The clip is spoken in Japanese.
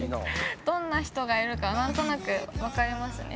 どんな人がいるか何となく分かりますね。